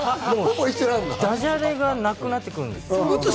ダジャレがなくなってくるんですよ。